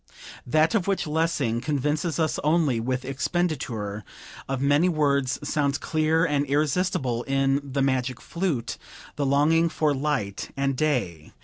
"That of which Lessing convinces us only with expenditure of many words sounds clear and irresistible in 'The Magic Flute': the longing for light and day.